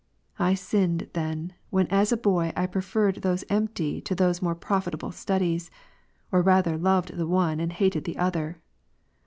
I sinned, then, when as^J^oj I preferred those^empty \' to those more profitable studies, or rather loved the one and i hated the other.